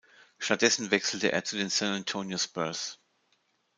Stattdessen wechselte er zu den San Antonio Spurs.